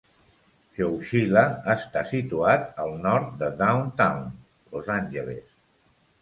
Chowchila està situat al nord de Downtown Los Angeles.